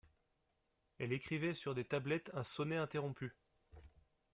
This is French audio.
Elle écrivait sur des tablettes un sonnet interrompu.